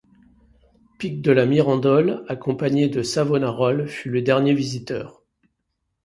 Pic de la Mirandole accompagné de Savonarole fut le dernier visiteur.